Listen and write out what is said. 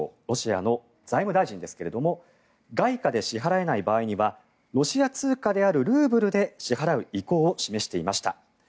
ロシアの財務大臣ですが外貨で支払えない場合にはロシア通貨であるルーブルで支払う意向を示していました。